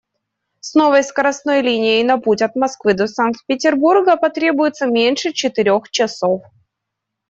С новой скоростной линией на путь от Москвы до Санкт-Петербурга потребуется меньше четырёх часов.